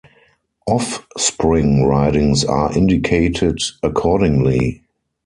"Off-spring" ridings are indicated accordingly.